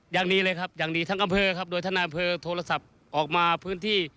อย่างดีเลยครับอย่างดีทั้งอำเภอครับโดยท่านนายอำเภอโทรศัพท์ออกมาพื้นที่